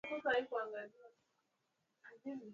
walikatazwa waafrika kulima mazao ya chakula